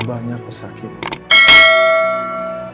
ibu mengurus kamu